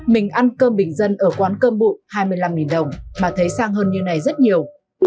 mình ăn cơm bình dân ở quán cơm bụi hai mươi năm đồng mà thấy sang hơn như này rất nhiều